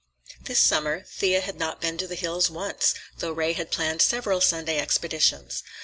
This summer Thea had not been to the hills once, though Ray had planned several Sunday expeditions.